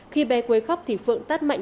khi bé quấy khóc thì phượng tát mạnh